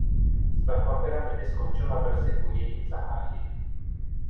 Stavba pyramidy skončila brzy po jejím zahájení.